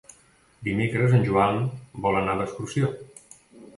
Dimecres en Joan vol anar d'excursió.